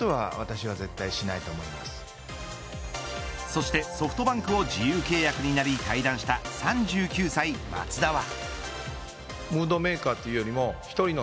そしてソフトバンクを自由契約になり退団した３９歳、松田は。